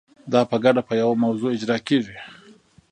دا په ګډه په یوه موضوع اجرا کیږي.